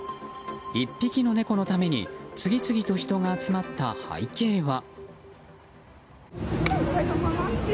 １匹の猫のために次々と人が集まった背景は。